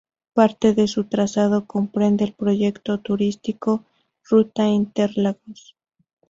Parte de su trazado comprende el Proyecto Turístico "Ruta Interlagos".